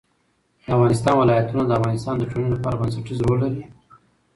د افغانستان ولايتونه د افغانستان د ټولنې لپاره بنسټيز رول لري.